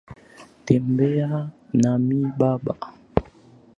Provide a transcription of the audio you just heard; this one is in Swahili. Tembea nami baba.